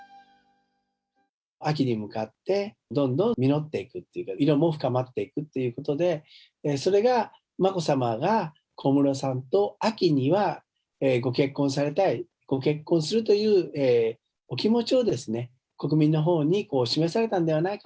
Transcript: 秋に向かって、どんどん実っていくっていう、色も深まっていくということで、それが眞子さまが小室さんと秋にはご結婚されたい、ご結婚するというお気持ちを国民のほうに示されたんではないか。